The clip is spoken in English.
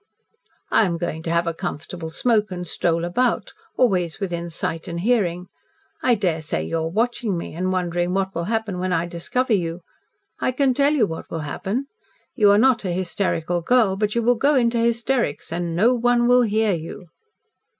"I am going to have a comfortable smoke and stroll about always within sight and hearing. I daresay you are watching me, and wondering what will happen when I discover you, I can tell you what will happen. You are not a hysterical girl, but you will go into hysterics and no one will hear you."